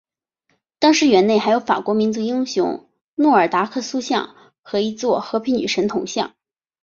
当时园内还有法国民族英雄诺尔达克塑像和一座和平女神铜像。